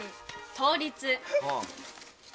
倒立。